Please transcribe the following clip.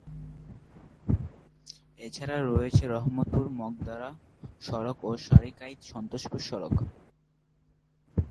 এছাড়া রয়েছে রহমতপুর-মগধরা সড়ক ও সারিকাইত-সন্তোষপুর সড়ক।